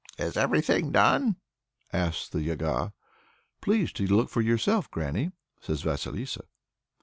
"Is everything done?" asks the Yaga. "Please to look for yourself, granny!" says Vasilissa.